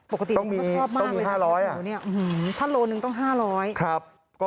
ปกติต้องมี๕๐๐บาทถ้าโลนึงต้อง๕๐๐บาท